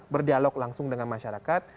berdialog langsung dengan masyarakat